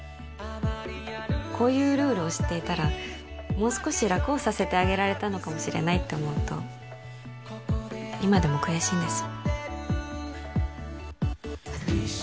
こういうルールを知っていたらもう少し楽をさせてあげられたのかもしれないって思うと今でも悔しいんです